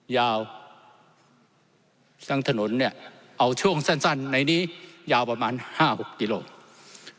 สร้างถนนเนี่ยเอาช่วงสั้นในนี้ยาวประมาณ๕๖กิโลกรัม